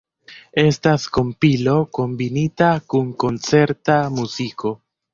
Estas kompilo kombinita kun koncerta muziko.